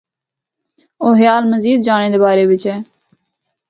او خیال مزید جانڑے دے بارے بچ ہے۔